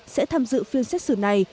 sẽ tham dự phiên xét xử này